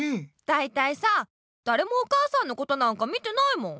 だいたいさだれもお母さんのことなんか見てないもん。